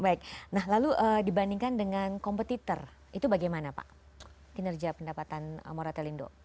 baik nah lalu dibandingkan dengan kompetitor itu bagaimana pak kinerja pendapatan moratelindo